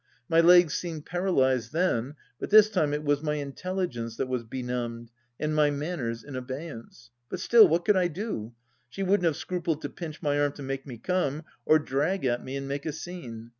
My legs seemed paralysed then, but this time it was my intelligence that was benumbed and my manners in abeyance. But still, what could I do ? She wouldn't have scrupled to pinch my arm to make me come, or drag at me and make a scene.